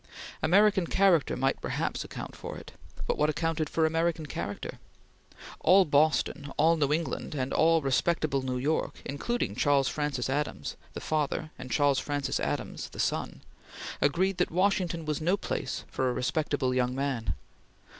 American character might perhaps account for it, but what accounted for American character? All Boston, all New England, and all respectable New York, including Charles Francis Adams the father and Charles Francis Adams the son, agreed that Washington was no place for a respectable young man.